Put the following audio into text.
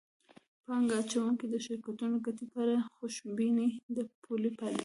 پانګه اچوونکو د شرکتونو د ګټې په اړه خوشبیني د پولي پالیسۍ